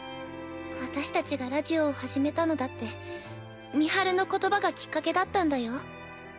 私たちがラジオを始めたのだって美晴の言葉がきっかけだったんだよ。